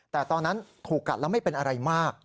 แต่ตอนนั้นถูกกัดแล้วไม่เป็นอะไรมาก